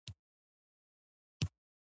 دی يو ځای ولوېد.